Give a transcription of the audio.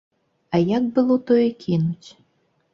А як было тое кінуць?